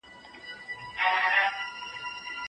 نړیوال سوداګریز تعامل کچه لوړوي.